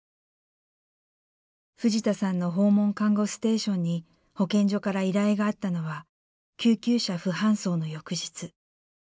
藤田さんの訪問看護ステーションに保健所から依頼があったのは救急車不搬送の翌日。